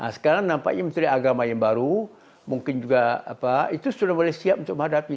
sekarang nampaknya menteri agama yang baru mungkin juga itu sudah siap untuk dihadapi